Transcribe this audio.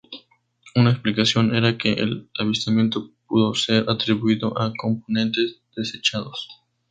Una explicación era que el avistamiento pudo ser atribuido a componentes desechados.